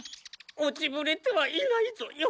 落ちぶれてはいないぞよ。